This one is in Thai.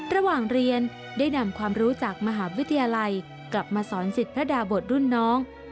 ระหว่างเรียนได้นำความรู้จากมหาวิทยาลัยกลับมาสอนสิทธิ์พระดาบทรุ่นน้อง